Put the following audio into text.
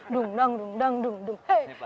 dung dang dung dang dung dung